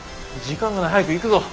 時間がない早く行くぞ。